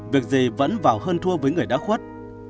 việc gì vẫn vào hơn thua với người đã khuất